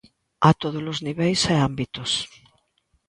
A todos os niveis e ámbitos.